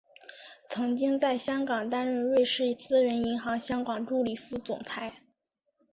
曾经在香港担任瑞士私人银行香港助理副总裁。